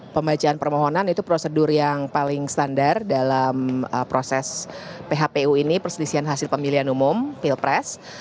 pembacaan permohonan itu prosedur yang paling standar dalam proses phpu ini perselisihan hasil pemilihan umum pilpres